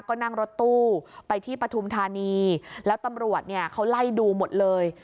ก็นั่งรถตู้ไปที่ปฐุมธานีแล้วตำรวจเนี่ยเขาไล่ดูหมดเลย